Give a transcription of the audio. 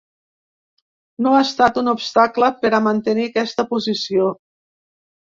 No ha estat un obstacle per a mantenir aquesta posició.